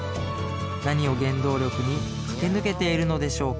何を原動力に駆け抜けているのでしょうか？